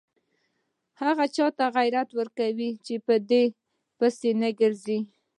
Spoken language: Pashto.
هغه چې چاته عزت ورکوي په دې پسې نه ګرځي.